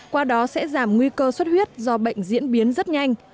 qua đó sẽ giảm nguy cơ xuất huyết do bệnh diễn biến rất nhanh